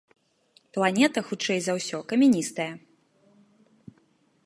Планета хутчэй за ўсё камяністая.